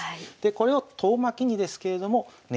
これを遠巻きにですけれども狙っている。